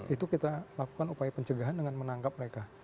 itu kita lakukan upaya pencegahan dengan menangkap mereka